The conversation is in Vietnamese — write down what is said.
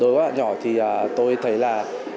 đối với các bạn nhỏ thì tôi thấy là